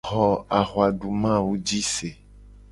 Xo ahuadumawu ji se.